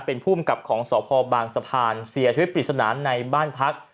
เป็นภูมิกับของสพบางสะพานเสียชีวิตปริศนาในบ้านพัก